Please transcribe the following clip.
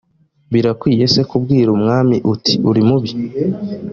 birakwiriye se kubwira umwami uti uri mubi